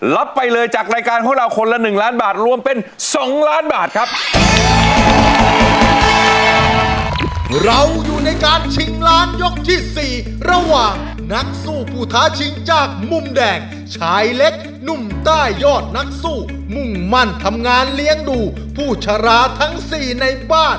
รับไปเลยจากรายการของเราคนละ๑ล้านบาทรวมเป็น๒ล้านบาทครับ